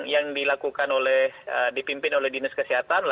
yang dilakukan oleh dipimpin oleh dinas kesehatan